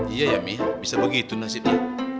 iya ya mi bisa begitu nasibnya